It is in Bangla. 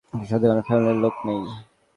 তোর সাথে কোন ফ্যামিলির লোক নেই।